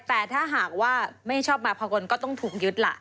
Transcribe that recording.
แต่ถ้าหากว่าไม่ชอบมาพากลก็ต้องถูกยึดล่ะ